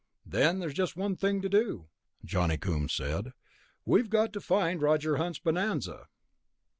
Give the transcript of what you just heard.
"Then there's just one thing to do," Johnny Coombs said. "We've got to find Roger Hunter's bonanza."